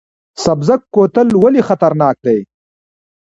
سبزک کوتل ولې خطرناک دی؟